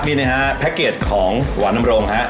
มีในภารกิจของหวานน้ำโรงครับ